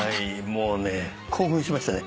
もうね興奮しましたね。